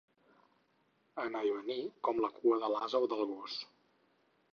Anar i venir com la cua de l'ase o del gos.